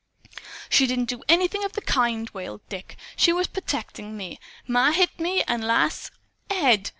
"She didn't do anything of the kind!" wailed Dick. "She was pertecting me. Ma hit me; and Lass " "Ed!"